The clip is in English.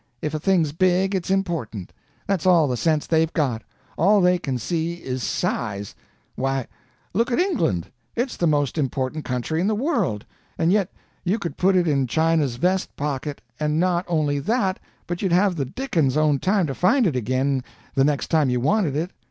If a thing's big, it's important. That's all the sense they've got. All they can see is size. Why, look at England. It's the most important country in the world; and yet you could put it in China's vest pocket; and not only that, but you'd have the dickens's own time to find it again the next time you wanted it.